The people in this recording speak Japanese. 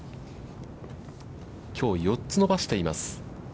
きょう、４つ伸ばしています。